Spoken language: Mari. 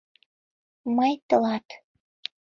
Мый – тылат